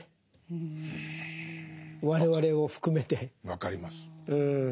分かります。